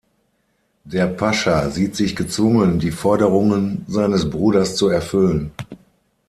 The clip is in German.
Der Pascha sieht sich gezwungen, die Forderungen seines Bruders zu erfüllen.